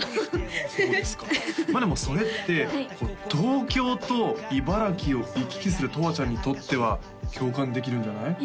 そうですかまあでもそれって東京と茨城を行き来するとわちゃんにとっては共感できるんじゃない？